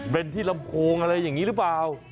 เป็นที่ลำโพงอะไรแบบนี้รึเปล่า